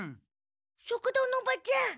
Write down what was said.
食堂のおばちゃん。